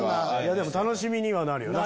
でも楽しみにはなるよね